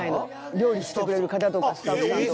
料理してくれる方とかスタッフさんとか。